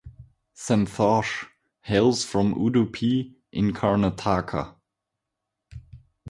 Santhosh hails from Udupi in Karnataka.